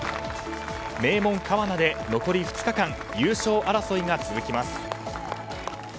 名門・川奈で残り２日間優勝争いが続きます。